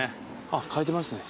あっ書いてますね。